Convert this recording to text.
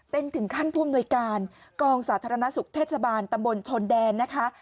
เป็นถึงขั้นผู้อำนวยการกองสาธารณสุขเทศบาลตำบลชนแดนนะคะ